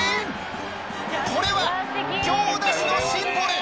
これは行田市のシンボル